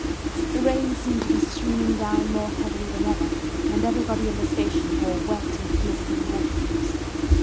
The rain seemed to be streaming down more heavily than ever and everybody in the station wore wet and glistening waterproofs.